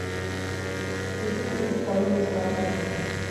د تږي اوبه کول لوی ثواب لري.